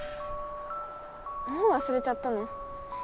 もうわすれちゃったの？